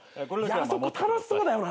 あそこ楽しそうだよな。